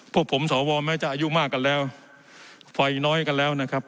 พวกผมสวแม้จะอายุมากกันแล้วไฟน้อยกันแล้วนะครับ